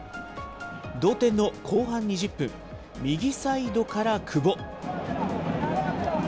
同点の後半２０分、右サイドから久保。